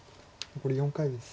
残り４回です。